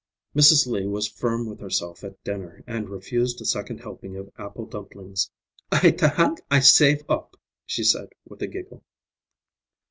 Mrs. Lee was firm with herself at dinner, and refused a second helping of apple dumplings. "I ta ank I save up," she said with a giggle.